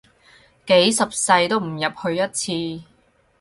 幾十世都唔入去一次